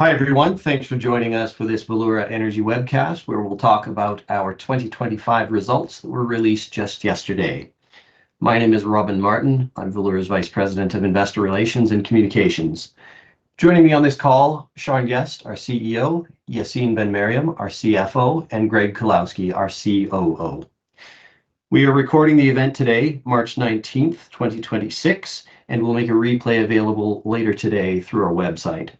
Hi, everyone. Thanks for joining us for this Valeura Energy Webcast, where we'll talk about our 2025 results that were released just yesterday. My name is Robin Martin. I'm Valeura's Vice President of Investor Relations and Communications. Joining me on this call, Sean Guest, our CEO, Yacine Ben-Meriem, our CFO, and Greg Kulawski, our COO. We are recording the event today, March 19th, 2026, and we'll make a replay available later today through our website.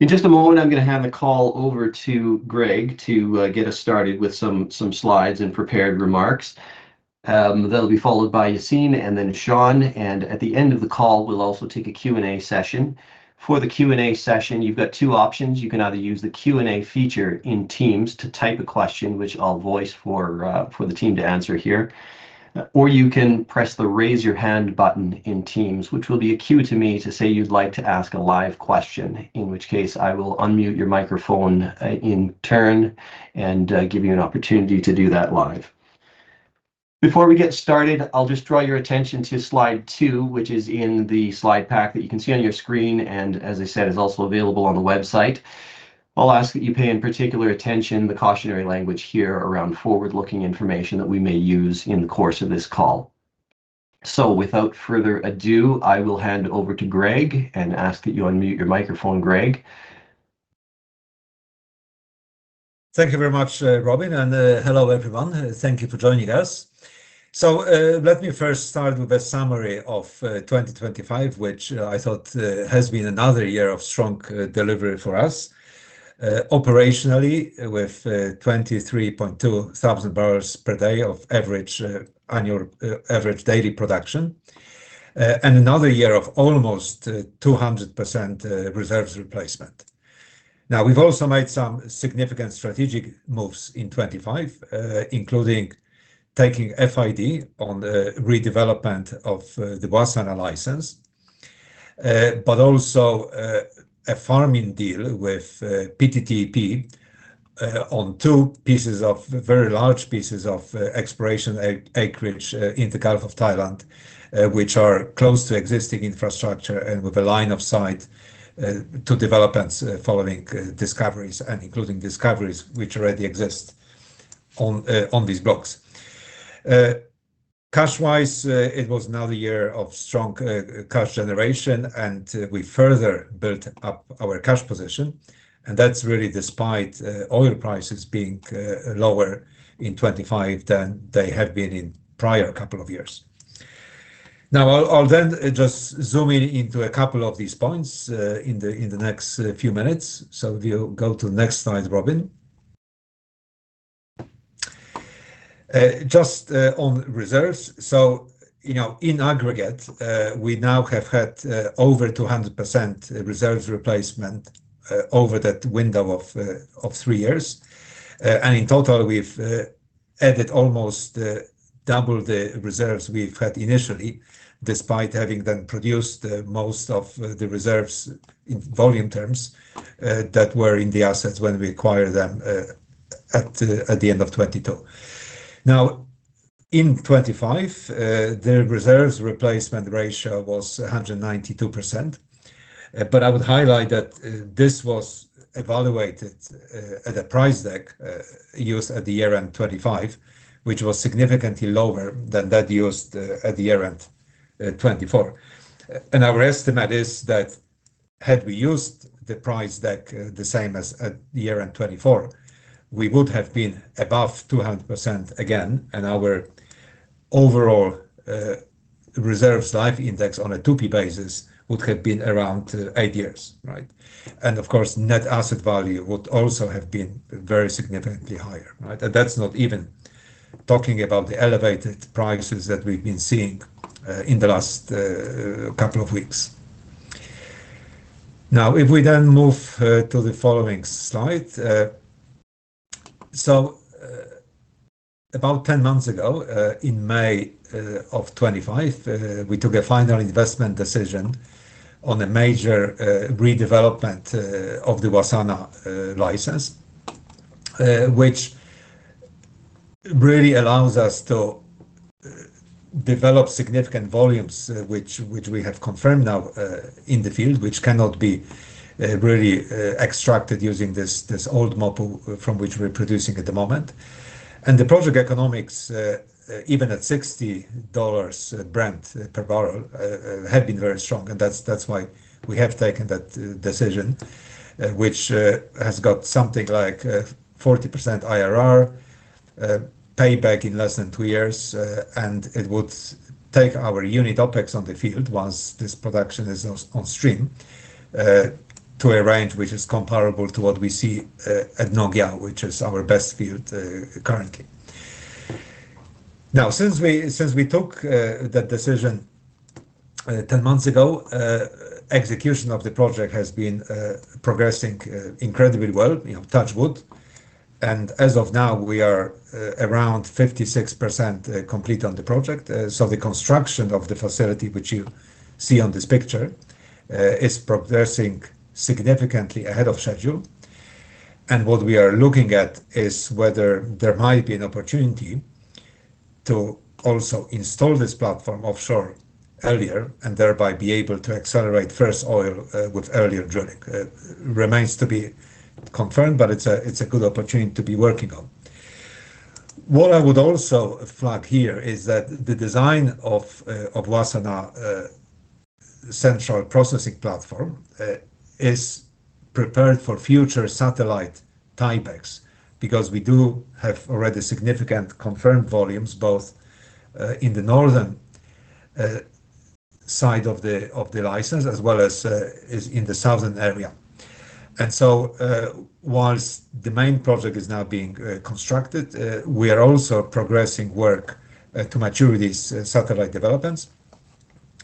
In just a moment, I'm gonna hand the call over to Greg to get us started with some slides and prepared remarks. That'll be followed by Yacine and then Sean. At the end of the call, we'll also take a Q&A session. For the Q&A session, you've got two options. You can either use the Q&A feature in Teams to type a question, which I'll voice for the team to answer here, or you can press the raise your hand button in Teams, which will be a cue to me to say you'd like to ask a live question, in which case I will unmute your microphone, in turn and, give you an opportunity to do that live. Before we get started, I'll just draw your attention to Slide two, which is in the slide pack that you can see on your screen, and as I said, is also available on the website. I'll ask that you pay in particular attention the cautionary language here around forward-looking information that we may use in the course of this call. Without further ado, I will hand over to Greg and ask that you unmute your microphone, Greg. Thank you very much, Robin, and hello, everyone. Thank you for joining us. Let me first start with a summary of 2025, which I thought has been another year of strong delivery for us operationally with 23.2 thousand bbl per day of average annual average daily production, and another year of almost 200% reserves replacement. Now, we've also made some significant strategic moves in 2025, including taking FID on the redevelopment of the Wassana license, but also a farm-in deal with PTTEP on two very large pieces of exploration acreage in the Gulf of Thailand, which are close to existing infrastructure and with a line of sight to developments following discoveries and including discoveries which already exist on these blocks. Cash-wise, it was another year of strong cash generation, and we further built up our cash position, and that's really despite oil prices being lower in 2025 than they have been in prior couple of years. I'll then just zoom in into a couple of these points in the next few minutes. If you go to the next slide, Robin. Just on reserves. In aggregate, we now have had over 200% reserves replacement over that window of three years. In total, we've added almost double the reserves we've had initially, despite having then produced most of the reserves in volume terms that were in the assets when we acquired them at the end of 2022. In 2025, the reserves replacement ratio was 192%. I would highlight that this was evaluated at a price deck used at the year-end 2025, which was significantly lower than that used at the year-end 2024. Our estimate is that had we used the price deck, the same as at year-end 2024, we would have been above 200% again, and our overall reserves life index on a 2P basis would have been around eight years, right? Of course, net asset value would also have been very significantly higher, right? That's not even talking about the elevated prices that we've been seeing in the last couple of weeks. Now, if we then move to the following slide. About 10 months ago, in May of 2025, we took a final investment decision on a major redevelopment of the Wassana license, which really allows us to develop significant volumes, which we have confirmed now in the field, which cannot be really extracted using this old model from which we're producing at the moment. The project economics, even at $60 Brent per bbl, have been very strong, and that's why we have taken that decision, which has got something like 40% IRR, payback in less than two years, and it would take our unit OpEx on the field once this production is on stream, to a range which is comparable to what we see at Nong Yao, which is our best field currently. Since we took that decision 10 months ago, execution of the project has been progressing incredibly well, you know, touch wood. As of now, we are around 56% complete on the project. The construction of the facility, which you see on this picture, is progressing significantly ahead of schedule. What we are looking at is whether there might be an opportunity to also install this platform offshore earlier and thereby be able to accelerate first oil with earlier drilling, remains to be confirmed, but it's a good opportunity to be working on. What I would also flag here is that the design of Wassana central processing platform is prepared for future satellite tie-ins because we do have already significant confirmed volumes both in the northern side of the license as well as in the southern area. While the main project is now being constructed, we are also progressing work to mature these satellite developments.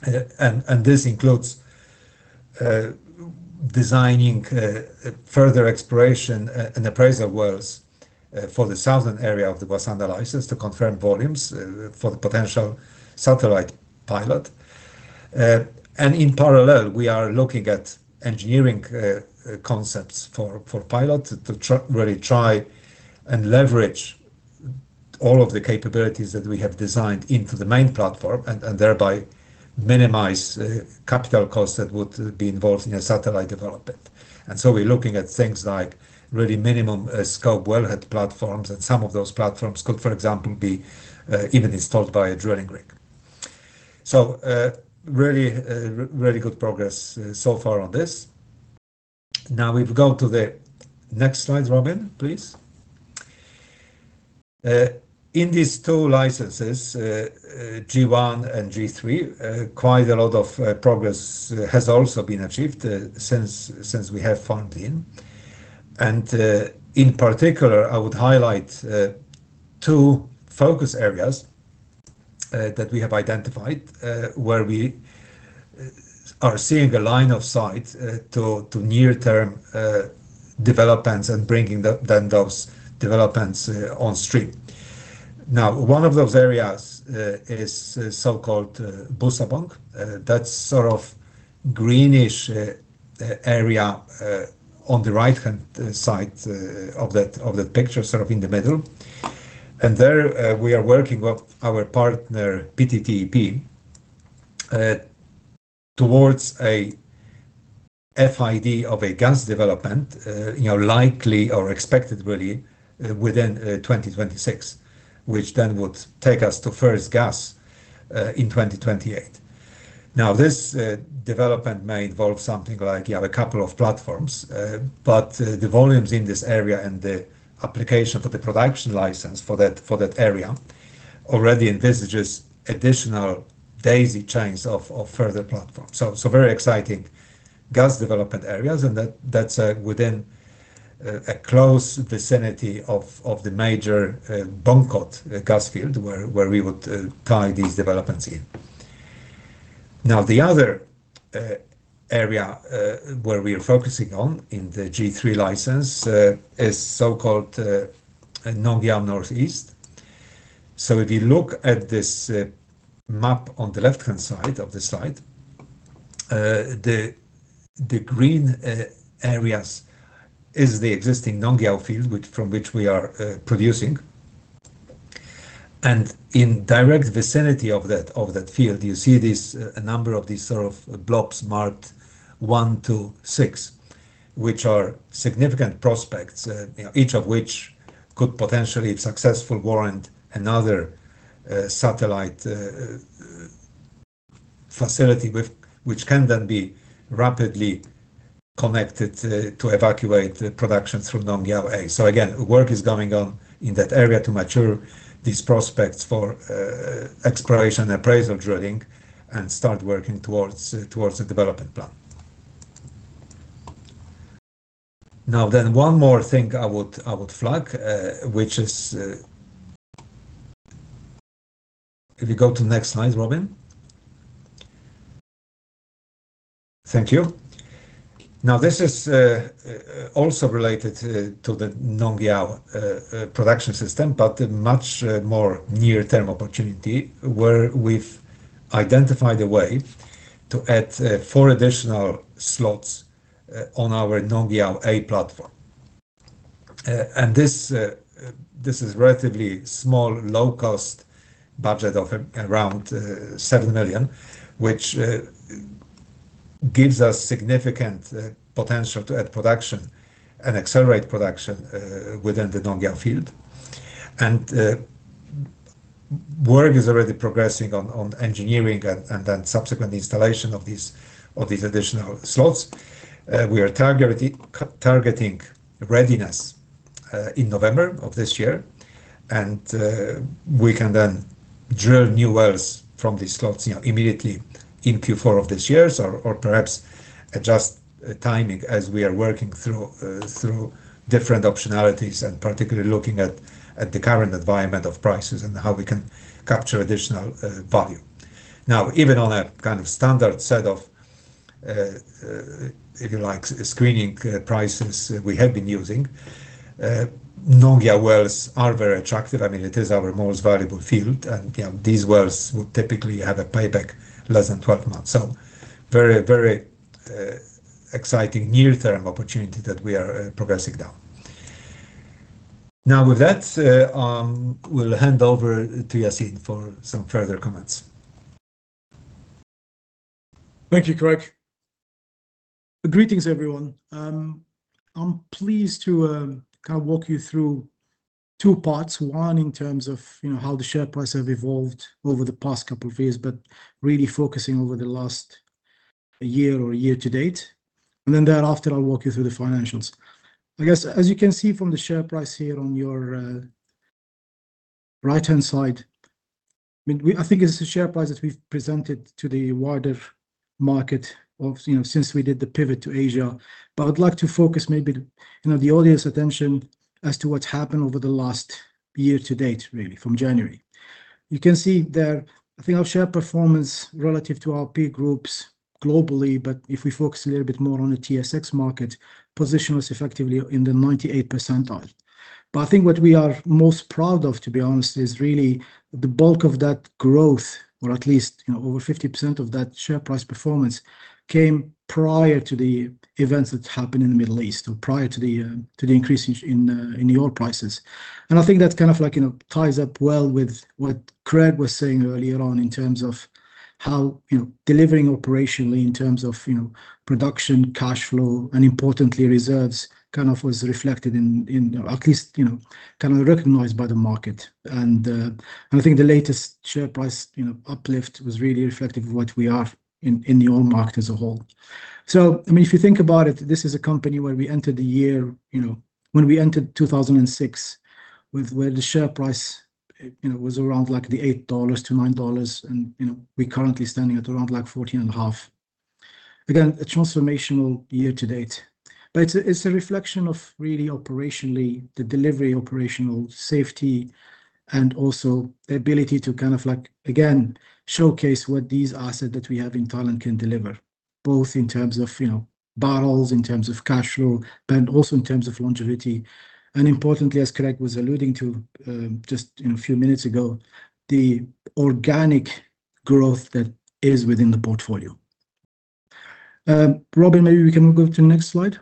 This includes designing further exploration and appraisal wells for the southern area of the Wassana license to confirm volumes for the potential satellite pilot. In parallel, we are looking at engineering concepts for the pilot to truly try and leverage all of the capabilities that we have designed into the main platform and thereby minimize capital costs that would be involved in a satellite development. We're looking at things like really minimal scope wellhead platforms, and some of those platforms could, for example, be even installed by a drilling rig. Really good progress so far on this. Now if you go to the next slide, Robin, please. In these two licenses, G1 and G3, quite a lot of progress has also been achieved since we have farmed in. In particular, I would highlight two focus areas that we have identified where we are seeing a line of sight to near term developments and bringing those developments on stream. Now, one of those areas is so-called Busabong. That's sort of greenish area on the right-hand side of that picture, sort of in the middle. There, we are working with our partner PTTEP towards a FID of a gas development, you know, likely or expected really within 2026, which then would take us to first gas in 2028. Now, this development may involve something like, you have a couple of platforms, but the volumes in this area and the application for the production license for that area already envisages additional daisy chains of further platforms. Very exciting gas development areas, and that's within a close vicinity of the major Bongkot gas field where we would tie these developments in. Now, the other area where we are focusing on in the G3 license is so-called Nong Yao Northeast. If you look at this map on the left-hand side of the slide, the green areas is the existing Nong Yao field which from which we are producing. In direct vicinity of that field, you see this, a number of these sort of blobs marked one to six, which are significant prospects, you know, each of which could potentially successful warrant another satellite facility with which can then be rapidly connected to evacuate the production through Nong Yao A. Work is going on in that area to mature these prospects for exploration appraisal drilling and start working towards a development plan. Now one more thing I would flag, which is if you go to next slide, Robin. Thank you. Now this is also related to the Nong Yao production system, but a much more near-term opportunity where we've identified a way to add four additional slots on our Nong Yao A platform. This is relatively small, low cost budget of around $7 million, which gives us significant potential to add production and accelerate production within the Nong Yao field. Work is already progressing on engineering and then subsequent installation of these additional slots. We are targeting readiness in November of this year, and we can then drill new wells from these slots, you know, immediately in Q4 of this year or perhaps adjust timing as we are working through different optionalities and particularly looking at the current environment of prices and how we can capture additional value. Now, even on a kind of standard set of, if you like, screening prices we have been using, Nong Yao wells are very attractive. I mean, it is our most valuable field, and, you know, these wells would typically have a payback less than 12 months. Very, very exciting near-term opportunity that we are progressing down. Now, with that, we'll hand over to Yacine for some further comments. Thank you, Greg. Greetings, everyone. I'm pleased to kind of walk you through two parts. One, in terms of, you know, how the share price have evolved over the past couple of years, but really focusing over the last year or year-to-date, and then thereafter, I'll walk you through the financials. I guess, as you can see from the share price here on your right-hand side, I mean, I think it's the share price that we've presented to the wider market of, you know, since we did the pivot to Asia. I'd like to focus maybe, you know, the audience attention as to what's happened over the last year-to-date, really from January. You can see there, I think our share performance relative to our peer groups globally, but if we focus a little bit more on the TSX market, position us effectively in the 98th percentile. I think what we are most proud of, to be honest, is really the bulk of that growth or at least, you know, over 50% of that share price performance came prior to the events that happened in the Middle East or prior to the increase in the oil prices. I think that's kind of like, you know, ties up well with what Greg was saying earlier on in terms of how, you know, delivering operationally in terms of, you know, production, cash flow, and importantly, reserves kind of was reflected in or at least, you know, kind of recognized by the market. I think the latest share price, you know, uplift was really reflective of what we are in the oil market as a whole. I mean, if you think about it, this is a company where we entered 2024 with where the share price, you know, was around like the $8.00-$9.00 And, you know, we currently standing at around like $14.50. Again, a transformational year to date. It's a reflection of really operationally the delivery, operational safety, and also the ability to kind of like, again, showcase what these assets that we have in Thailand can deliver, both in terms of, you know, barrels, in terms of cash flow, but also in terms of longevity. Importantly, as Greg was alluding to, you know, a few minutes ago, the organic growth that is within the portfolio. Robin, maybe we can go to the next slide.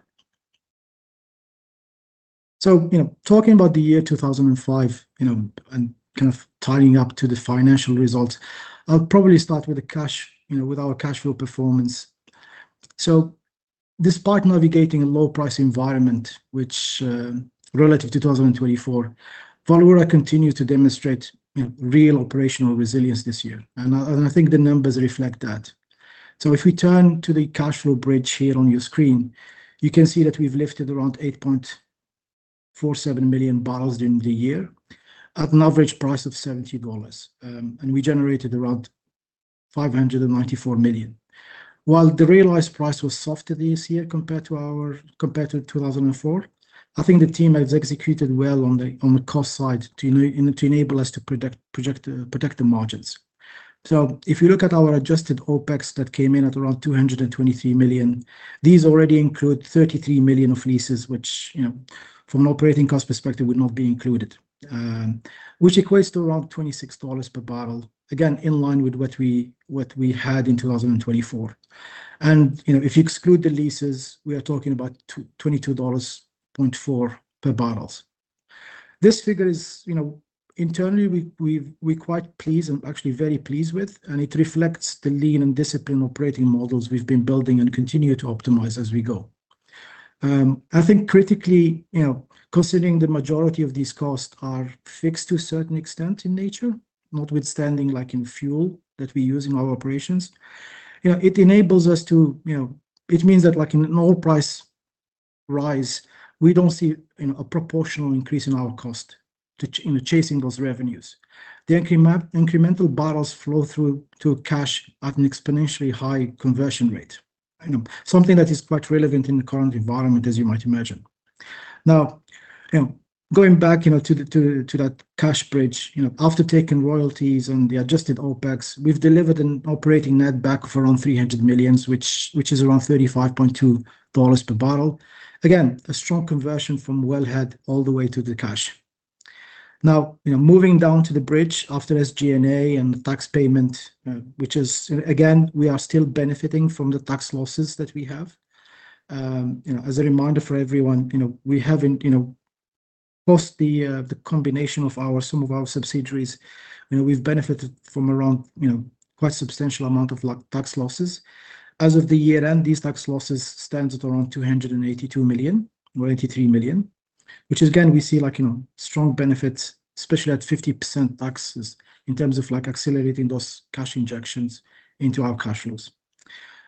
You know, talking about the year 2005, you know, and kind of tying up to the financial results, I'll probably start with the cash, you know, with our cash flow performance. Despite navigating a low price environment, which, relative to 2024, Valeura continued to demonstrate, you know, real operational resilience this year. I think the numbers reflect that. If we turn to the cash flow bridge here on your screen, you can see that we've lifted around 8.47 million bbl during the year at an average price of $70. We generated around $594 million. While the realized price was softer this year compared to 2024, I think the team has executed well on the cost side to you know to enable us to protect the margins. If you look at our adjusted OpEx that came in at around $223 million, these already include $33 million of leases, which you know from an operating cost perspective would not be included, which equates to around $26 per bbl. Again, in line with what we had in 2024. You know, if you exclude the leases, we are talking about $22.4 per bbl. This figure is, you know, internally we're quite pleased and actually very pleased with, and it reflects the lean and disciplined operating models we've been building and continue to optimize as we go. I think critically, you know, considering the majority of these costs are fixed to a certain extent in nature, notwithstanding, like in fuel that we use in our operations, you know, it enables us to, you know, it means that like in an oil price rise, we don't see, you know, a proportional increase in our cost chasing those revenues. The incremental barrels flow through to cash at an exponentially high conversion rate. You know, something that is quite relevant in the current environment, as you might imagine. Now, you know, going back, you know, to that cash bridge, you know, after taking royalties and the adjusted OpEx, we've delivered an operating netback of around $300 million, which is around $35.2 per barrel. Again, a strong conversion from wellhead all the way to the cash. Now, you know, moving down to the bridge after SG&A and the tax payment, which, again, we are still benefiting from the tax losses that we have. You know, as a reminder for everyone, you know, we haven't, you know, post the combination of our, some of our subsidiaries, you know, we've benefited from around, you know, quite substantial amount of like tax losses. As of the year-end, these tax losses stands at around $282 million or $83 million, which again, we see like, you know, strong benefits, especially at 50% taxes in terms of like accelerating those cash injections into our cash flows.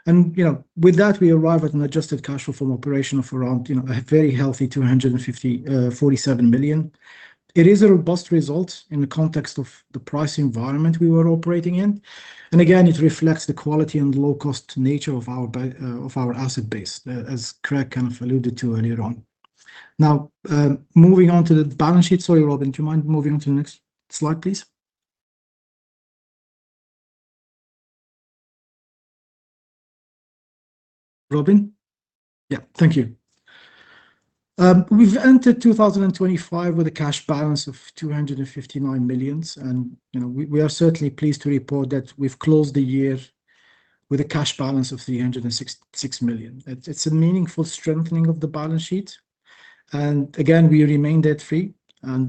You know, with that, we arrive at an adjusted cash flow from operation of around, you know, a very healthy $247 million. It is a robust result in the context of the price environment we were operating in. It reflects the quality and low-cost nature of our asset base, as Greg kind of alluded to earlier on. Now, moving on to the balance sheet. Sorry, Robin, do you mind moving on to the next slide, please? Robin? Thank you. We've entered 2025 with a cash balance of $259 million. You know, we are certainly pleased to report that we've closed the year with a cash balance of $306 million. It's a meaningful strengthening of the balance sheet. We remain debt-free.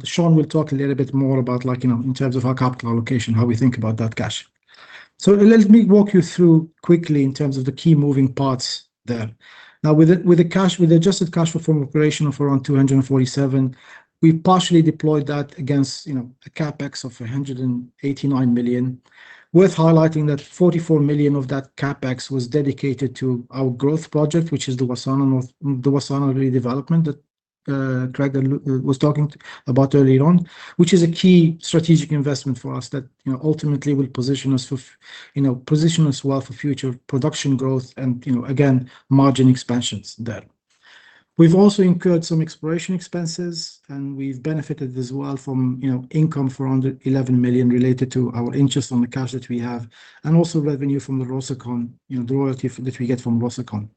Sean will talk a little bit more about like, you know, in terms of our capital allocation, how we think about that cash. Let me walk you through quickly in terms of the key moving parts there. Now, with the cash, with adjusted cash flow from operation of around $247, we partially deployed that against, you know, a CapEx of $189 million. Worth highlighting that $44 million of that CapEx was dedicated to our growth project, which is the Wassana North, the Wassana redevelopment that Greg was talking about earlier on, which is a key strategic investment for us that, you know, ultimately will position us for, you know, position us well for future production growth and, you know, again, margin expansions there. We've also incurred some exploration expenses, and we've benefited as well from, you know, income for under $11 million related to our interest on the cash that we have, and also revenue from the Rossukon, you know, the royalty that we get from Rossukon.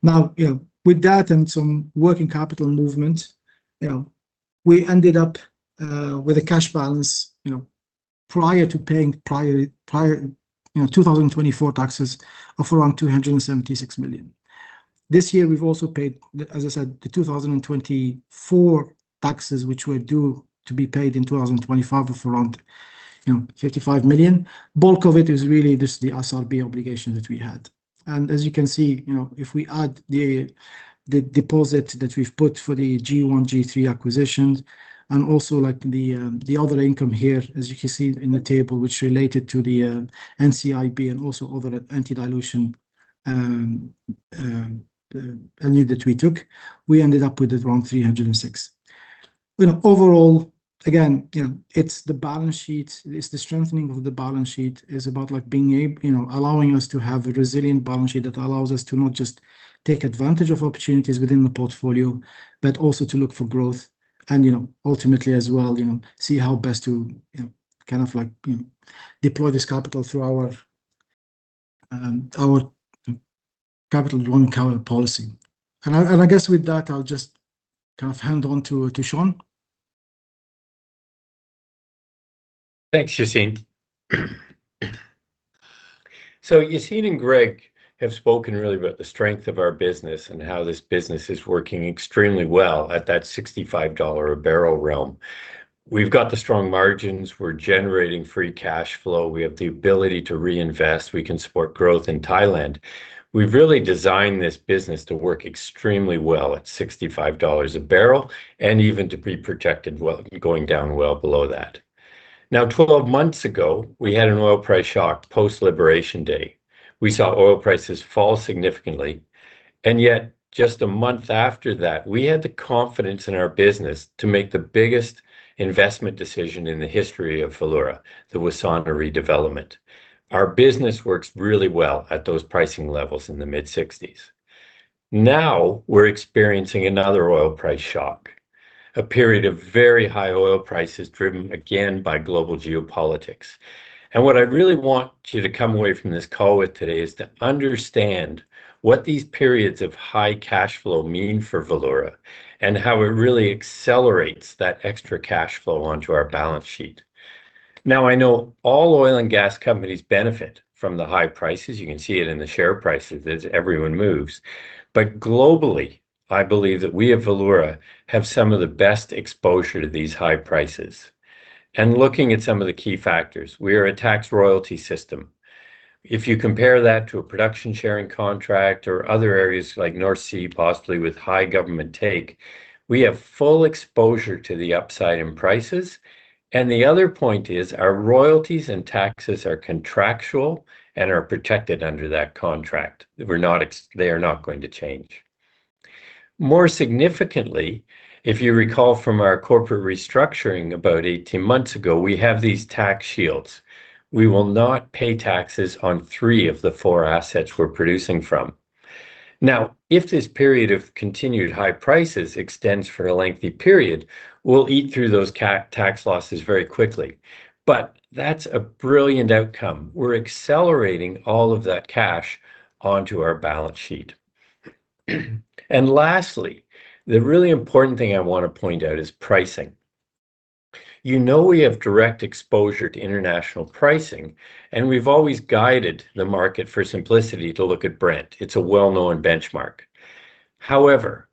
Now, you know, with that and some working capital movement, you know, we ended up with a cash balance, you know, prior to paying 2024 taxes of around $276 million. This year, we've also paid, as I said, the 2024 taxes, which were due to be paid in 2025 of around $35 million. Bulk of it is really just the SRB obligation that we had. As you can see, you know, if we add the deposit that we've put for the G1, G3 acquisitions and also like the other income here, as you can see in the table, which related to the NCIB and also other anti-dilution that we took, we ended up with around $306 million. You know, overall, again, you know, it's the balance sheet. It's the strengthening of the balance sheet is about like being you know, allowing us to have a resilient balance sheet that allows us to not just take advantage of opportunities within the portfolio, but also to look for growth. You know, ultimately as well, you know, see how best to, you know, kind of like, you know, deploy this capital through our capital allocation policy. I guess with that, I'll just kind of hand over to Sean. Thanks, Yacine. Yacine and Greg have spoken really about the strength of our business and how this business is working extremely well at that $65-a-bbl realm. We've got the strong margins. We're generating free cash flow. We have the ability to reinvest. We can support growth in Thailand. We've really designed this business to work extremely well at $65 a bbl and even to be protected well, going down well below that. Now, 12 months ago, we had an oil price shock post-Liberation Day. We saw oil prices fall significantly. Yet, just a month after that, we had the confidence in our business to make the biggest investment decision in the history of Valeura, the Wassana redevelopment. Our business works really well at those pricing levels in the mid-$60s. Now, we're experiencing another oil price shock, a period of very high oil prices driven again by global geopolitics. What I'd really want you to come away from this call with today is to understand what these periods of high cash flow mean for Valeura and how it really accelerates that extra cash flow onto our balance sheet. Now, I know all oil and gas companies benefit from the high prices. You can see it in the share prices as everyone moves. Globally, I believe that we at Valeura have some of the best exposure to these high prices. Looking at some of the key factors, we are a tax royalty system. If you compare that to a Production Sharing Contract or other areas like North Sea, possibly with high government take, we have full exposure to the upside in prices. The other point is our royalties and taxes are contractual and are protected under that contract. They are not going to change. More significantly, if you recall from our corporate restructuring about 18 months ago, we have these tax shields. We will not pay taxes on three of the four assets we're producing from. Now, if this period of continued high prices extends for a lengthy period, we'll eat through those tax losses very quickly. That's a brilliant outcome. We're accelerating all of that cash onto our balance sheet. Lastly, the really important thing I want to point out is pricing. You know, we have direct exposure to international pricing, and we've always guided the market for simplicity to look at Brent. It's a well-known benchmark. However,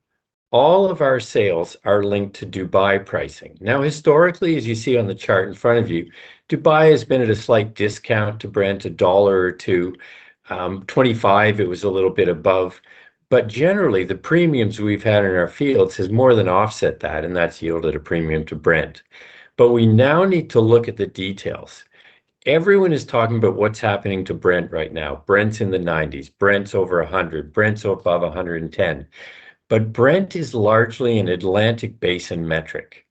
all of our sales are linked to Dubai pricing. Now, historically, as you see on the chart in front of you, Dubai has been at a slight discount to Brent, $1.00 Or $2. 2025, it was a little bit above. But generally, the premiums we've had in our fields has more than offset that, and that's yielded a premium to Brent. But we now need to look at the details. Everyone is talking about what's happening to Brent right now. Brent's in the $90s, Brent's over $100, Brent's above $110. But Brent is largely an Atlantic basin metric.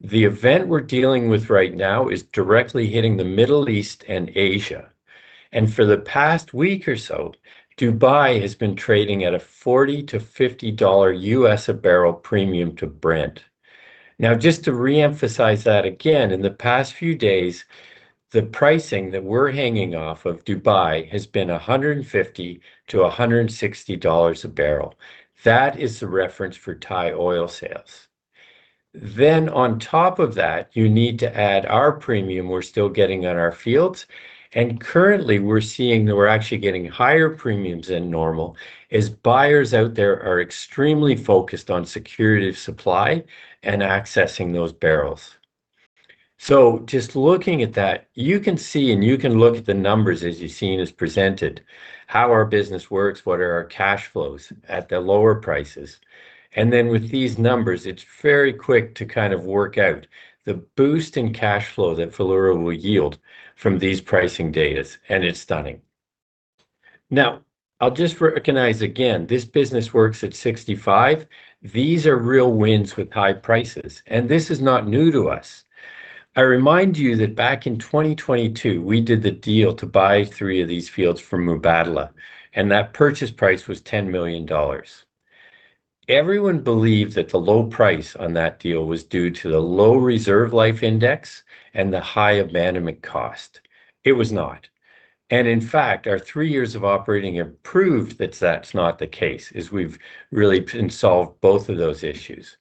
The event we're dealing with right now is directly hitting the Middle East and Asia. For the past week or so, Dubai has been trading at a $40-$50 a bbl premium to Brent. Now, just to re-emphasize that again, in the past few days, the pricing that we're hanging off of Dubai has been $150-$160 a bbl. That is the reference for Thai oil sales. Then on top of that, you need to add our premium we're still getting at our fields, and currently we're seeing that we're actually getting higher premiums than normal as buyers out there are extremely focused on security of supply and accessing those barrels. Just looking at that, you can see and you can look at the numbers as you've seen us present it, how our business works, what are our cash flows at the lower prices. Then with these numbers, it's very quick to kind of work out the boost in cash flow that Valeura will yield from these pricing data, and it's stunning. Now, I'll just recognize again, this business works at $65. These are real wins with high prices, and this is not new to us. I remind you that back in 2022, we did the deal to buy three of these fields from Mubadala, and that purchase price was $10 million. Everyone believed that the low price on that deal was due to the low reserves life index and the high abandonment cost. It was not. In fact, our three years of operating have proved that that's not the case, as we've really solved both of those issues.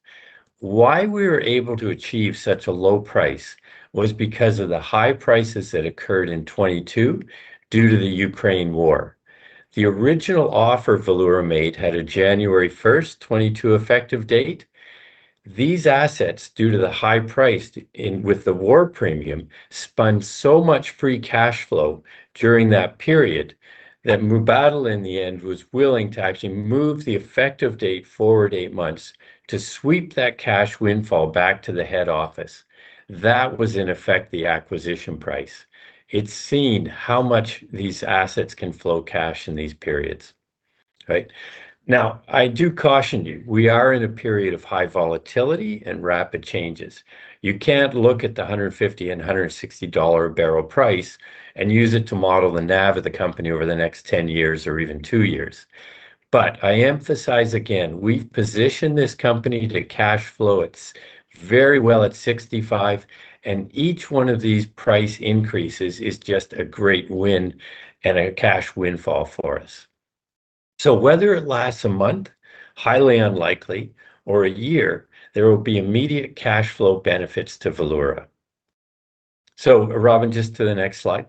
Why we were able to achieve such a low price was because of the high prices that occurred in 2022 due to the Ukraine war. The original offer Valeura made had a January 1st, 2022 effective date. These assets, due to the high price in, with the war premium, spun so much free cash flow during that period that Mubadala in the end was willing to actually move the effective date forward eight months to sweep that cash windfall back to the head office. That was, in effect, the acquisition price. It's seen how much these assets can flow cash in these periods. Right. Now, I do caution you, we are in a period of high volatility and rapid changes. You can't look at the $150-$160 a bbl price and use it to model the NAV of the company over the next 10 years or even two years. I emphasize again, we've positioned this company to cash flow. It's very well at $65, and each one of these price increases is just a great win and a cash windfall for us. Whether it lasts a month, highly unlikely, or a year, there will be immediate cash flow benefits to Valeura. Robin, just to the next slide.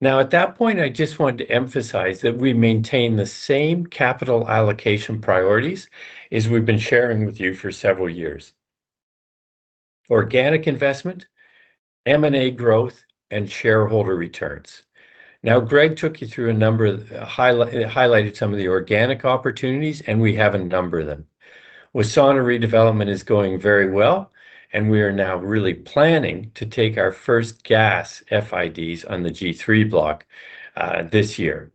Now, at that point, I just wanted to emphasize that we maintain the same capital allocation priorities as we've been sharing with you for several years. Organic investment, M&A growth, and shareholder returns. Now, Greg took you through a number of, highlighted some of the organic opportunities, and we have a number of them. Wassana redevelopment is going very well, and we are now really planning to take our first gas FIDs on the G3 block, this year.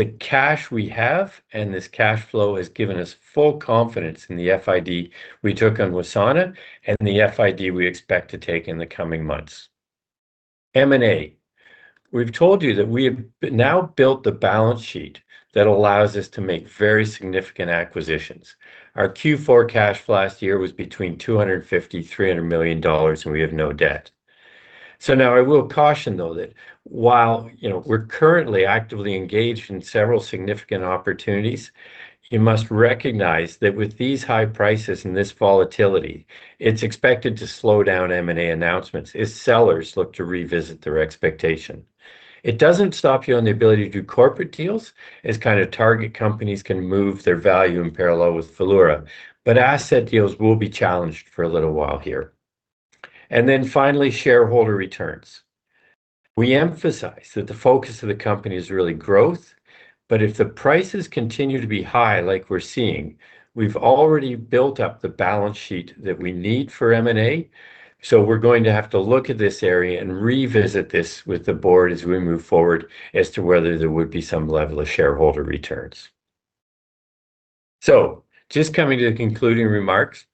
The cash we have and this cash flow has given us full confidence in the FID we took on Wassana and the FID we expect to take in the coming months. M&A. We've told you that we have now built the balance sheet that allows us to make very significant acquisitions. Our Q4 cash flow last year was between $250 million-$300 million, and we have no debt. Now I will caution, though, that while, you know, we're currently actively engaged in several significant opportunities, you must recognize that with these high prices and this volatility, it's expected to slow down M&A announcements as sellers look to revisit their expectation. It doesn't stop you on the ability to do corporate deals as kind of target companies can move their value in parallel with Valeura. Asset deals will be challenged for a little while here. Then finally, shareholder returns. We emphasize that the focus of the company is really growth. If the prices continue to be high like we're seeing, we've already built up the balance sheet that we need for M&A. We're going to have to look at this area and revisit this with the board as we move forward as to whether there would be some level of shareholder returns. Just coming to the concluding remarks.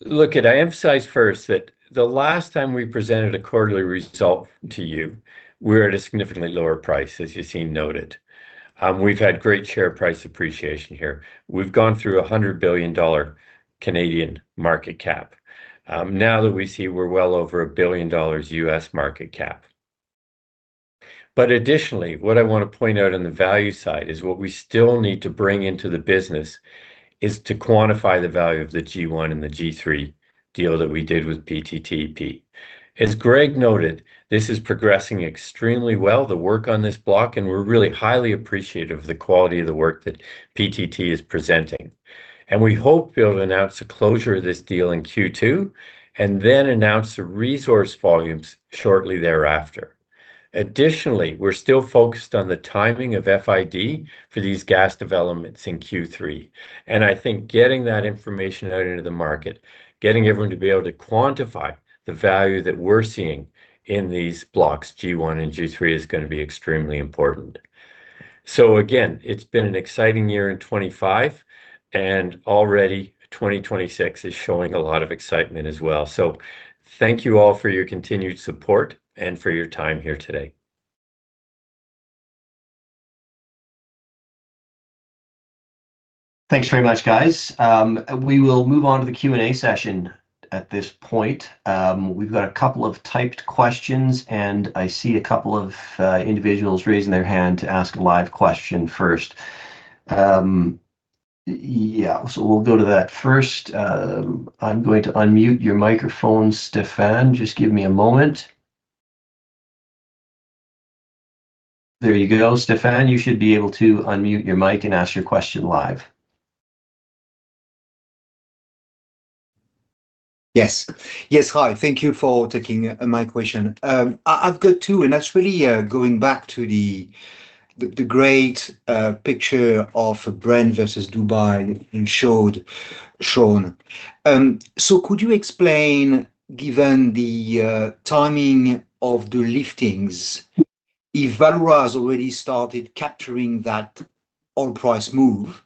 Look, I emphasize first that the last time we presented a quarterly result to you, we were at a significantly lower price, as you see noted. We've had great share price appreciation here. We've gone through 100 billion Canadian dollars market cap. Now that we see we're well over $1 billion U.S. market cap. Additionally, what I want to point out on the value side is what we still need to bring into the business is to quantify the value of the G1 and the G3 deal that we did with PTTEP. As Greg noted, this is progressing extremely well, the work on this block, and we're really highly appreciative of the quality of the work that PTTEP is presenting. We hope to be able to announce the closure of this deal in Q2 and then announce the resource volumes shortly thereafter. Additionally, we're still focused on the timing of FID for these gas developments in Q3. I think getting that information out into the market, getting everyone to be able to quantify the value that we're seeing in these blocks, G1 and G3, is gonna be extremely important. Again, it's been an exciting year in 2025, and already 2026 is showing a lot of excitement as well. Thank you all for your continued support and for your time here today. Thanks very much, guys. We will move on to the Q&A session at this point. We've got a couple of typed questions, and I see a couple of individuals raising their hand to ask a live question first. We'll go to that first. I'm going to unmute your microphone, Stephane. Just give me a moment. There you go, Stephane. You should be able to unmute your mic and ask your question live. Yes. Yes. Hi. Thank you for taking my question. I've got two, and actually, going back to the great picture of Brent versus Dubai you showed. Could you explain, given the timing of the liftings, if Valeura has already started capturing that oil price move.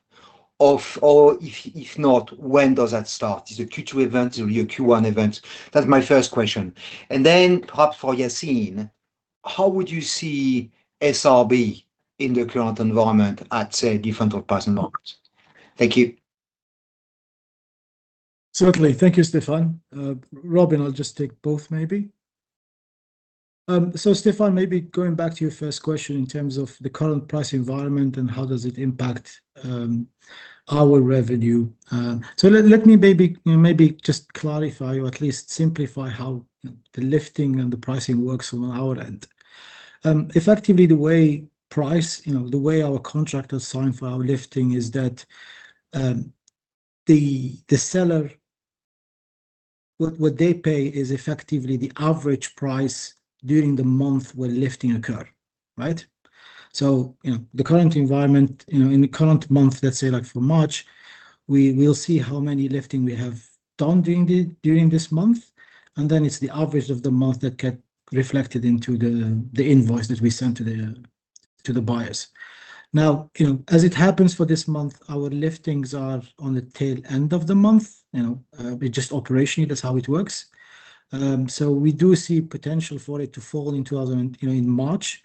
Or if not, when does that start? Is it a Q2 event? Is it a Q1 event? That's my first question. Perhaps for Yacine, how would you see SRB in the current environment at, say, different oil price environments? Thank you. Certainly. Thank you, Stephane. Robin, I'll just take both maybe. Stephane, maybe going back to your first question in terms of the current price environment and how does it impact our revenue. Let me maybe, you know, maybe just clarify or at least simplify how the lifting and the pricing works from our end. Effectively the way, you know, the way our contractors sign for our lifting is that, the seller, what they pay is effectively the average price during the month where lifting occur, right? You know, the current environment, you know, in the current month, let's say like for March, we'll see how many liftings we have done during this month, and then it's the average of the month that get reflected into the invoice that we send to the buyers. Now, you know, as it happens for this month, our liftings are on the tail end of the month. You know, it just operationally, that's how it works. We do see potential for it to fall in 2025 in March,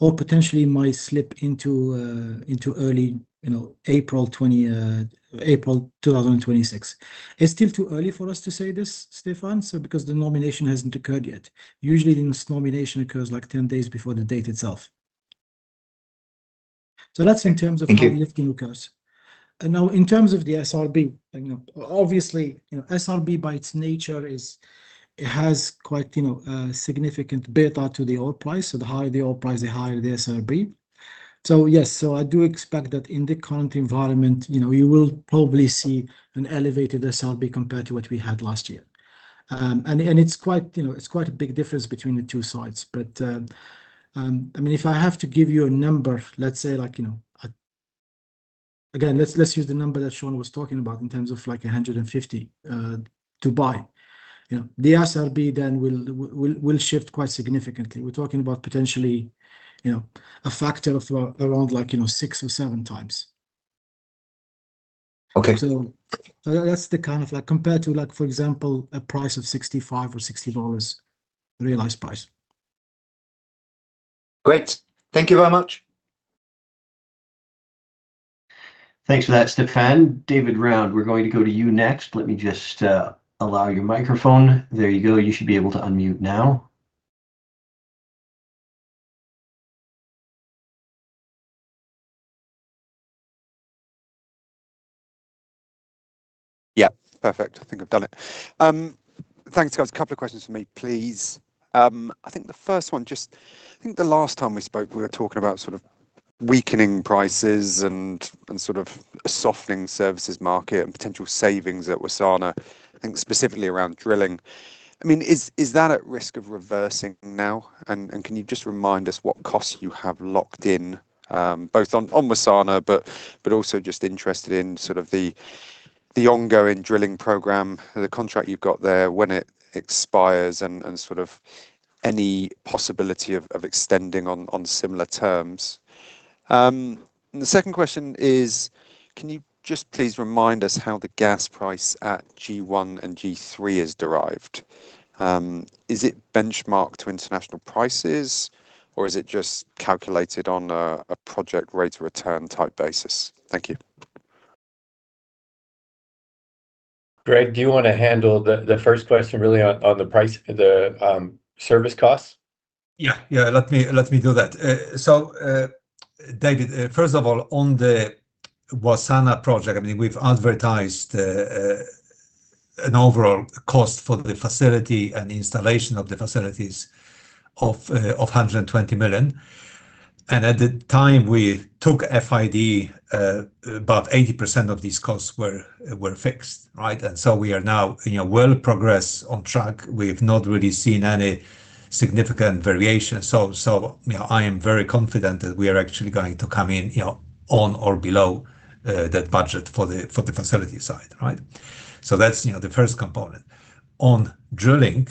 or potentially might slip into early April 2026. It's still too early for us to say this, Stephane, so because the nomination hasn't occurred yet. Usually this nomination occurs, like, 10 days before the date itself. That's in terms of- Thank you. ...when the lifting occurs. Now in terms of the SRB, you know, obviously, you know, SRB by its nature is it has quite, you know, significant beta to the oil price. So the higher the oil price, the higher the SRB. So yes, so I do expect that in the current environment, you know, you will probably see an elevated SRB compared to what we had last year. It's quite, you know, it's quite a big difference between the two sides. But I mean, if I have to give you a number, let's say like, you know, again, let's use the number that Sean was talking about in terms of like $150 to buy. You know, the SRB then will shift quite significantly. We're talking about potentially, you know, a factor of around like, you know, six or seven times. Okay. That's the kind of like compared to like for example, a price of $65 or $60 realized price. Great. Thank you very much. Thanks for that, Stephane. David Round, we're going to go to you next. Let me just allow your microphone. There you go. You should be able to unmute now. Perfect. I think I've done it. Thanks, guys. A couple of questions from me, please. I think the first one just, I think the last time we spoke, we were talking about sort of weakening prices and sort of softening services market and potential savings at Wassana, I think specifically around drilling. I mean, is that at risk of reversing now? Can you just remind us what costs you have locked in, both on Wassana, but also just interested in sort of the ongoing drilling program, the contract you've got there, when it expires, and sort of any possibility of extending on similar terms. The second question is, can you just please remind us how the gas price at G1 and G3 is derived? Is it benchmarked to International prices, or is it just calculated on a project rate of return type basis? Thank you. Greg, do you wanna handle the first question really on the price, the service costs? Let me do that. David, first of all, on the Wassana project, I mean, we've advertised an overall cost for the facility and installation of the facilities of $120 million. At the time we took FID, about 80% of these costs were fixed, right? We are now, you know, well progressed, on track. We've not really seen any significant variation. I am very confident that we are actually going to come in, you know, on or below that budget for the facility side, right? That's, you know, the first component. On drilling,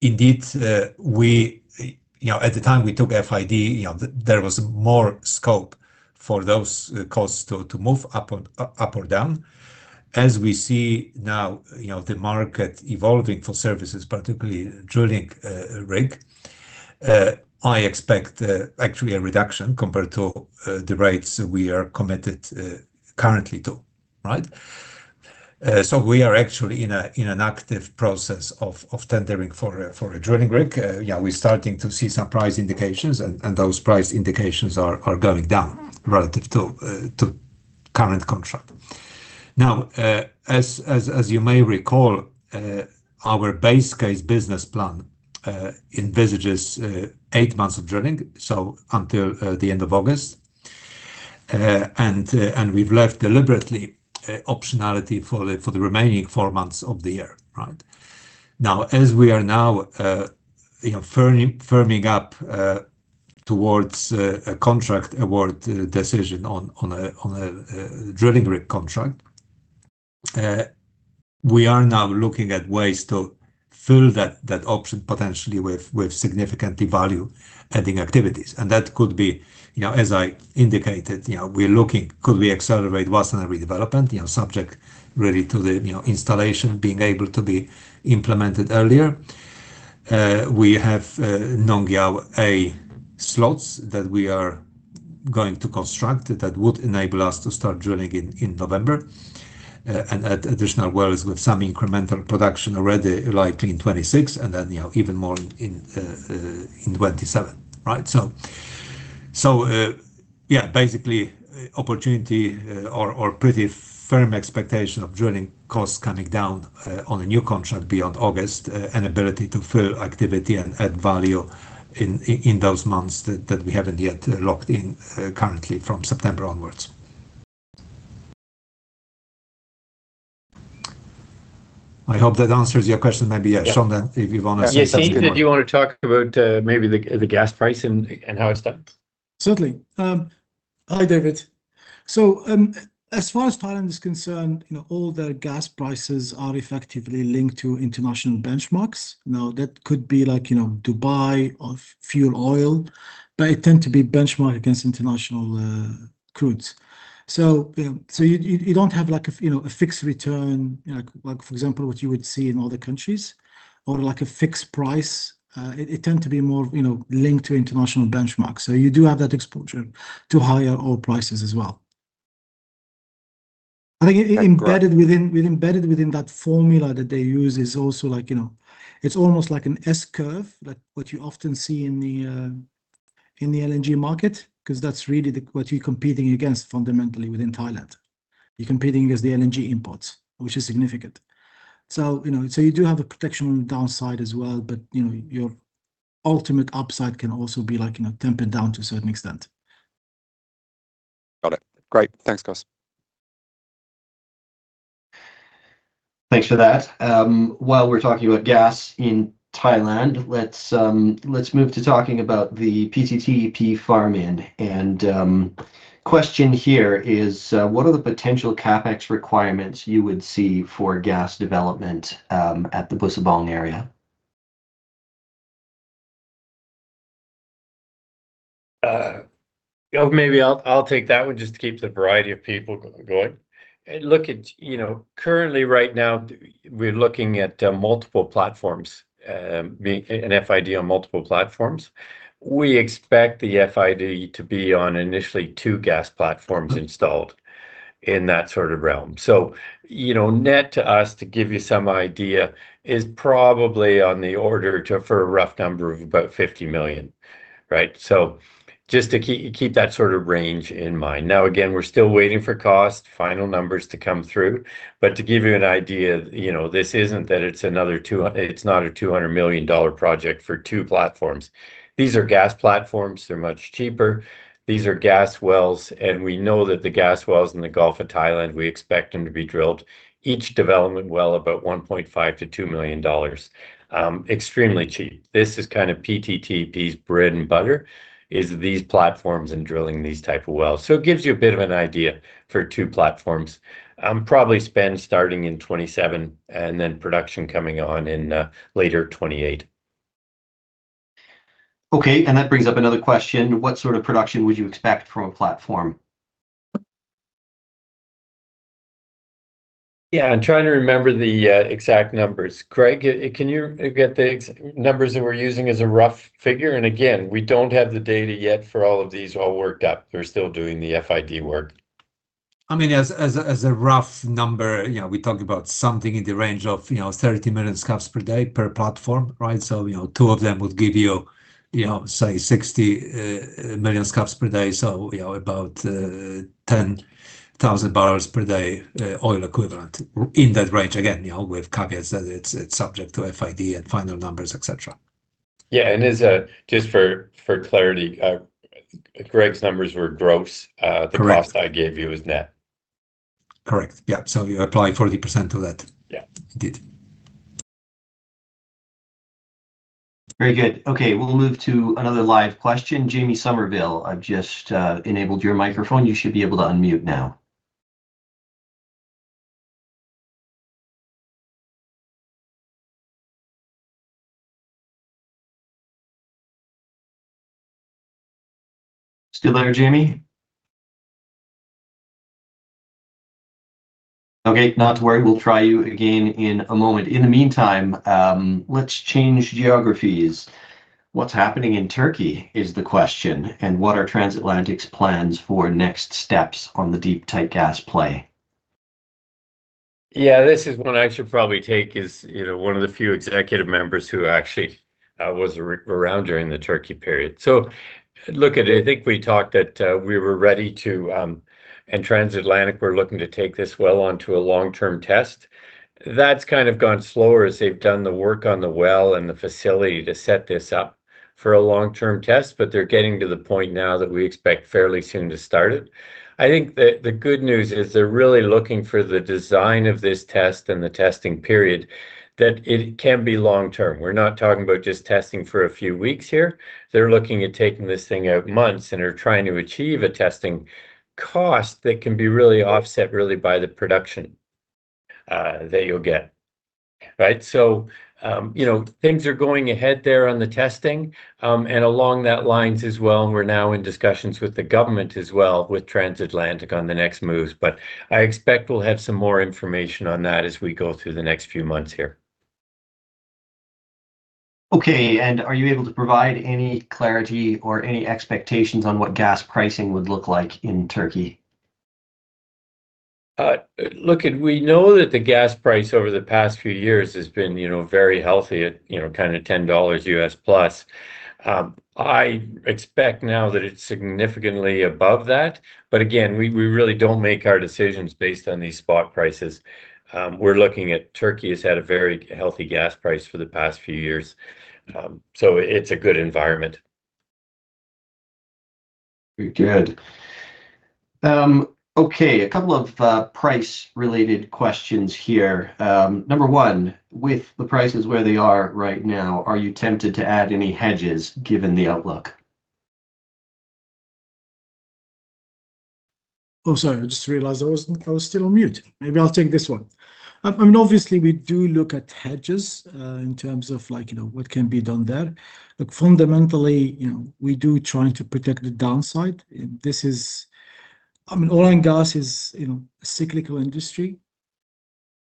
indeed, we, you know, at the time we took FID, there was more scope for those costs to move up or down. As we see now, you know, the market evolving for services, particularly drilling rig, I expect actually a reduction compared to the rates we are committed currently to. Right? We are actually in an active process of tendering for a drilling rig. We're starting to see some price indications, and those price indications are going down relative to current contract. Now, as you may recall, our base case business plan envisages eight months of drilling, so until the end of August. We've left deliberately optionality for the remaining four months of the year, right? Now, as we are now, you know, firming up towards a contract award decision on a drilling rig contract, we are now looking at ways to fill that option potentially with significantly value-adding activities. That could be, you know, as I indicated, you know, we're looking could we accelerate Wassana redevelopment, you know, subject really to the, you know, installation being able to be implemented earlier. We have Nong Yao A slots that we are going to construct that would enable us to start drilling in November, and add additional wells with some incremental production already likely in 2026 and then, you know, even more in 2027. Right? Yeah, basically opportunity or pretty firm expectation of drilling costs coming down on a new contract beyond August and ability to fill activity and add value in those months that we haven't yet locked in currently from September onwards. I hope that answers your question. Maybe, Sean then if you wanna say something more. Yeah. Yacine, did you wanna talk about, maybe the gas price and how it's done? Certainly. Hi, David. As far as Thailand is concerned, you know, all the gas prices are effectively linked to international benchmarks. Now, that could be like, you know, Dubai or fuel oil, but they tend to be benchmarked against International crudes. You know, you don't have like a, you know, a fixed return, you know, like, for example, what you would see in other countries or like a fixed price. It tends to be more, you know, linked to International benchmarks. You do have that exposure to higher oil prices as well. I think embedded within that formula that they use is also like, you know, it's almost like an S-curve, like what you often see in the LNG market, because that's really what you're competing against fundamentally within Thailand. You're competing against the LNG imports, which is significant. You know, you do have a protection on the downside as well, but, you know, your ultimate upside can also be like, you know, tempered down to a certain extent. Got it. Great. Thanks, guys. Thanks for that. While we're talking about gas in Thailand, let's move to talking about the PTTEP farm-in. Question here is, what are the potential CapEx requirements you would see for gas development at the Busabong area? Maybe I'll take that one just to keep the variety of people going. You know, currently right now we're looking at multiple platforms being an FID on multiple platforms. We expect the FID to be on initially two gas platforms installed in that sort of realm. You know, net to us, to give you some idea, is probably on the order of for a rough number of about $50 million, right? Just to keep that sort of range in mind. Now, again, we're still waiting for final cost numbers to come through. To give you an idea, you know, it's not a $200 million project for two platforms. These are gas platforms. They're much cheaper. These are gas wells, and we know that the gas wells in the Gulf of Thailand we expect them to be drilled. Each development well about $1.5 million-$2 million. Extremely cheap. This is kind of PTTEP's bread and butter is these platforms and drilling these type of wells. It gives you a bit of an idea for two platforms. Probably spend starting in 2027 and then production coming on in later 2028. Okay. That brings up another question. What sort of production would you expect from a platform? I'm trying to remember the exact numbers. Greg, can you get the numbers that we're using as a rough figure? Again, we don't have the data yet for all of these worked up. We're still doing the FID work. I mean, as a rough number, you know, we talk about something in the range of, you know, 30 MMscfd per platform, right? You know, two of them would give you know, say 60 MMscfd, so, you know, about 10,000 bbl per day oil equivalent. In that range, again, you know, with caveats that it's subject to FID and final numbers, etc. Just for clarity, Greg's numbers were gross. Correct. The cost I gave you is net. Correct. You apply 40% to that. Yeah. Indeed. Very good. Okay. We'll move to another live question. Jamie Somerville, I've just enabled your microphone. You should be able to unmute now. Still there, Jamie? Okay, not to worry. We'll try you again in a moment. In the meantime, let's change geographies. What's happening in Türkiye is the question, and what are Transatlantic's plans for next steps on the deep tight gas play? This is one I should probably take as, you know, one of the few executive members who actually was around during the Türkiye period. Look, I think we talked that we were ready to. Transatlantic were looking to take this well onto a long-term test. That's kind of gone slower as they've done the work on the well and the facility to set this up for a long-term test, but they're getting to the point now that we expect fairly soon to start it. I think that the good news is they're really looking for the design of this test and the testing period that it can be long-term. We're not talking about just testing for a few weeks here. They're looking at taking this thing out months and are trying to achieve a testing cost that can be really offset by the production that you'll get. Right? You know, things are going ahead there on the testing. Along those lines as well, we're now in discussions with the government as well, with Transatlantic on the next moves, but I expect we'll have some more information on that as we go through the next few months here. Okay. Are you able to provide any clarity or any expectations on what gas pricing would look like in Türkiye? Look, we know that the gas price over the past few years has been, you know, very healthy at, you know, kind of $10+. I expect now that it's significantly above that. Again, we really don't make our decisions based on these spot prices. We're looking at, Türkiye has had a very healthy gas price for the past few years. It's a good environment. Very good. Okay, a couple of price-related questions here. Number one, with the prices where they are right now, are you tempted to add any hedges given the outlook? Oh, sorry, I just realized I was still on mute. Maybe I'll take this one. I mean, obviously we do look at hedges in terms of like, you know, what can be done there. Fundamentally, you know, we do try to protect the downside. This is. I mean, oil and gas is, you know, a cyclical industry.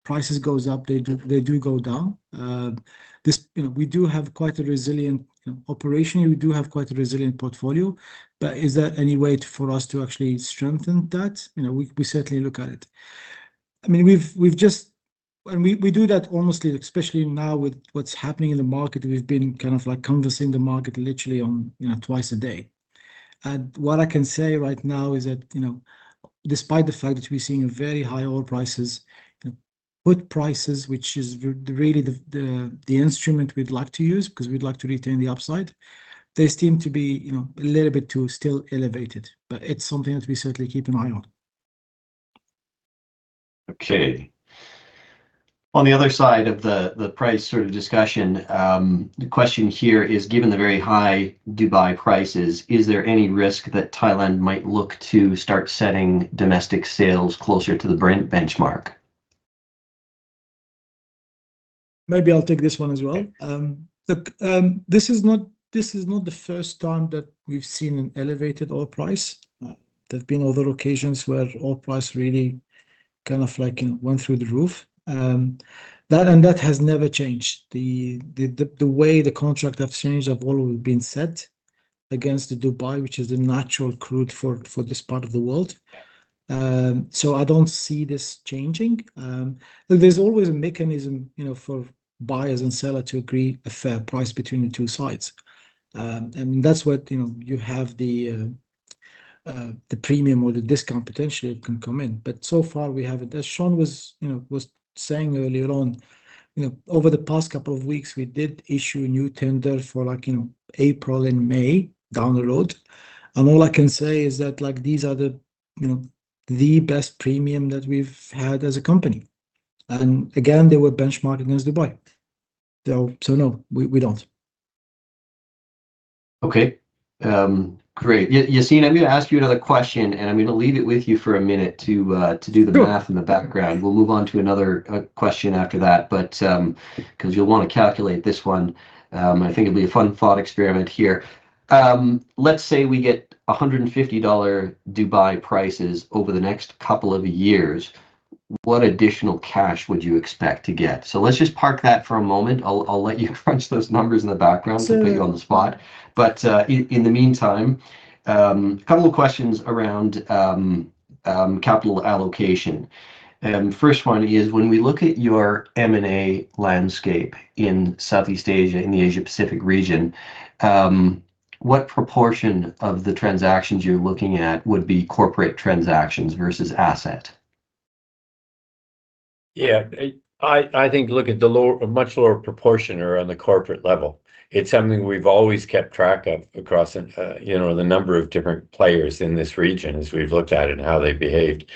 Prices goes up, they do go down. This, you know, we do have quite a resilient operation. We do have quite a resilient portfolio. Is there any way for us to actually strengthen that? You know, we certainly look at it. I mean, we've just and we do that honestly, especially now with what's happening in the market. We've been kind of like covering the market literally on, you know, twice a day. What I can say right now is that, you know, despite the fact that we're seeing a very high oil prices, put prices, which is really the instrument we'd like to use, because we'd like to retain the upside, they seem to be, you know, a little bit too still elevated. It's something that we certainly keep an eye on. Okay. On the other side of the price sort of discussion, the question here is, given the very high Dubai prices, is there any risk that Thailand might look to start setting domestic sales closer to the Brent benchmark? Maybe I'll take this one as well. This is not the first time that we've seen an elevated oil price. There have been other occasions where oil price really kind of like went through the roof. That has never changed. The contracts have all been set against the Dubai, which is the natural crude fort for this part of the world. I don't see this changing. There's always a mechanism, you know, for buyers and sellers to agree a fair price between the two sides. That's what, you know, you have the premium or the discount potentially can come in. So far we have. As Sean was, you know, saying earlier on, you know, over the past couple of weeks, we did issue a new tender for like in April and May down the road. All I can say is that, like these are the, you know, the best premium that we've had as a company. They were benchmarked against Dubai. No, we don't. Okay. Great. Yacine, I'm gonna ask you another question, and I'm gonna leave it with you for a minute to do the Math in the background. We'll move on to another question after that. 'Cause you'll wanna calculate this one. I think it'll be a fun thought experiment here. Let's say we get $150 Dubai prices over the next couple of years. What additional cash would you expect to get? Let's just park that for a moment. I'll let you crunch those numbers in the background. To put you on the spot. In the meantime, a couple of questions around capital allocation. First one is, when we look at your M&A landscape in Southeast Asia, in the Asia-Pacific region, what proportion of the transactions you're looking at would be corporate transactions versus asset? I think a much lower proportion are on the corporate level. It's something we've always kept track of across, you know, the number of different players in this region as we've looked at and how they behaved.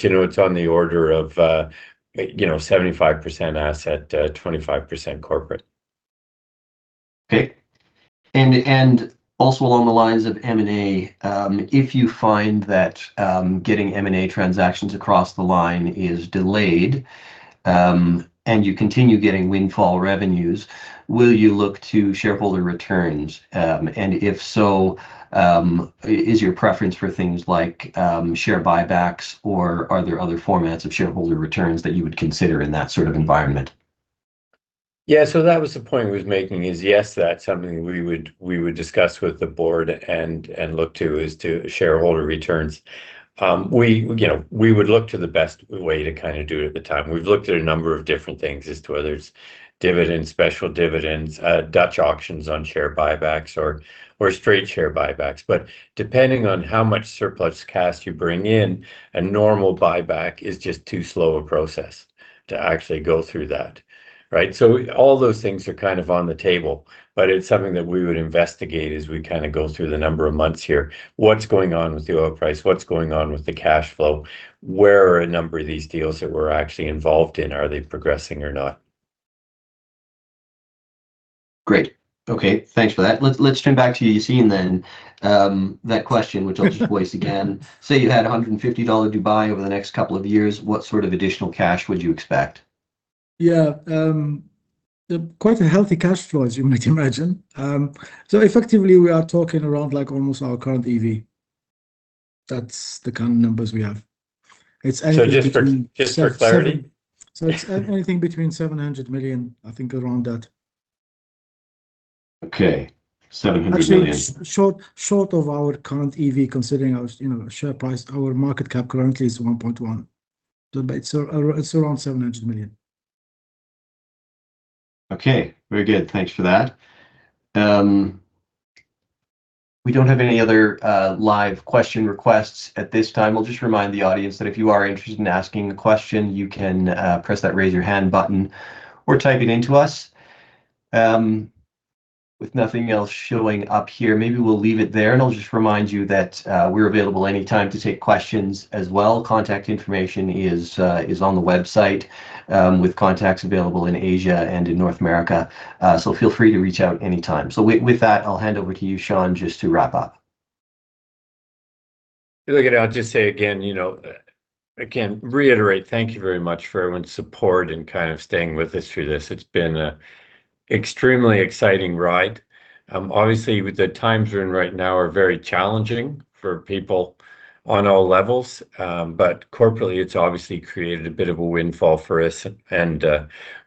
You know, it's on the order of, you know, 75% asset, 25% corporate. Okay. Also along the lines of M&A, if you find that getting M&A transactions across the line is delayed, and you continue getting windfall revenues, will you look to shareholder returns? If so, is your preference for things like share buybacks, or are there other formats of shareholder returns that you would consider in that sort of environment? Yeah. That was the point I was making is, yes, that's something we would discuss with the Board and look to as to shareholder returns. You know, we would look to the best way to kinda do it at the time. We've looked at a number of different things as to whether it's dividends, special dividends, Dutch auction on share buybacks or straight share buybacks. Depending on how much surplus cash you bring in, a normal buyback is just too slow a process to actually go through that. Right? All those things are kind of on the table, but it's something that we would investigate as we kinda go through the number of months here. What's going on with the oil price? What's going on with the cash flow? We're aware of a number of these deals that we're actually involved in, are they progressing or not? Great. Okay. Thanks for that. Let's turn back to Yacine then. That question, which I'll just voice again. Say you had $150 Dubai over the next couple of years, what sort of additional cash would you expect? Quite a healthy cash flow, as you might imagine. Effectively, we are talking around like almost our current EV. That's the kind of numbers we have. It's anything between- Just for clarity. It's anything between $700 million, I think around that. Okay. $700 million. Actually, it's short of our current EV, considering our, you know, share price. Our market cap currently is $1.1 billion. It's around $700 million. Okay. Very good. Thanks for that. We don't have any other live question requests at this time. I'll just remind the audience that if you are interested in asking a question, you can press that raise your hand button or type it into us. With nothing else showing up here, maybe we'll leave it there. I'll just remind you that we're available anytime to take questions as well. Contact information is on the website, with contacts available in Asia and in North America, so feel free to reach out anytime. With that, I'll hand over to you, Sean, just to wrap up. Look, I'll just say again, you know, reiterate, thank you very much for everyone's support and kind of staying with us through this. It's been a extremely exciting ride. Obviously, with the times we're in right now are very challenging for people on all levels. Corporately, it's obviously created a bit of a windfall for us, and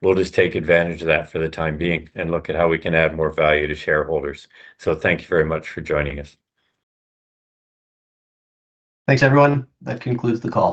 we'll just take advantage of that for the time being and look at how we can add more value to shareholders. Thank you very much for joining us. Thanks, everyone. That concludes the call.